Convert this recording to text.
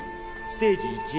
ステージⅠａ。